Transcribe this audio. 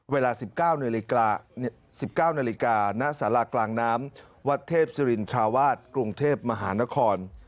เวลา๑๙๑๙นาฬิกาณสารากลางน้ำวัดเทพศิรินทราวาสกรุงเทพมหานคร